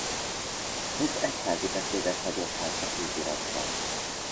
Több egyházi beszédet hagyott hátra kéziratban.